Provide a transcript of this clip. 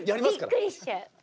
びっくりしちゃう。